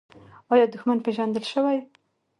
آیا دښمنان پیژندل شوي؟